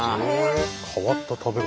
変わった食べ方。